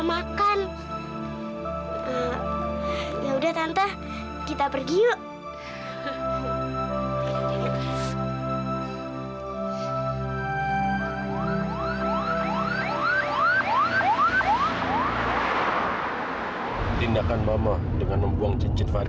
makan ya udah tante kita pergi yuk